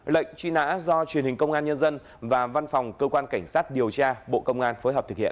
lệnh truy nã do truyền hình công an nhân dân và văn phòng cơ quan cảnh sát điều tra bộ công an phối hợp thực hiện